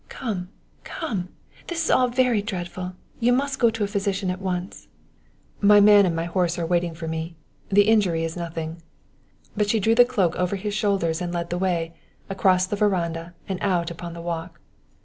"Come! Come! This is all very dreadful you must go to a physician at once." "My man and horse are waiting for me; the injury is nothing." But she threw the cloak over his shoulders and led the way, across the veranda, and out upon the walk.